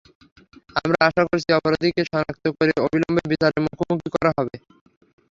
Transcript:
আমরা আশা করি অপরাধীকে শনাক্ত করে অবিলম্বে বিচারের মুখোমুখি করা হবে।